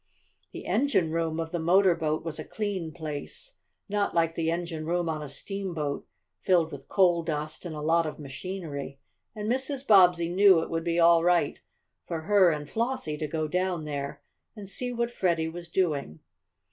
The engine room of the motor boat was a clean place, not like the engine room on a steamboat, filled with coal dust and a lot of machinery, and Mrs. Bobbsey knew it would be all right for her and Flossie to go down there and see what Freddie was doing.